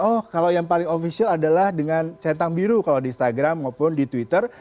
oh kalau yang paling official adalah dengan centang biru kalau di instagram maupun di twitter